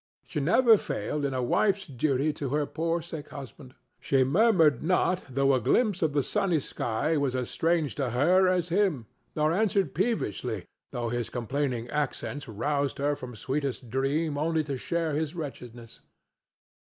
She never failed in a wife's duty to her poor sick husband. She murmured not though a glimpse of the sunny sky was as strange to her as him, nor answered peevishly though his complaining accents roused her from sweetest dream only to share his wretchedness.